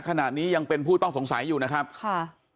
ขณะนี้ยังเป็นผู้ต้องสงสัยอยู่นะครับค่ะ